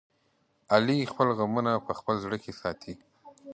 علي خپل غمونه په خپل زړه کې ساتي.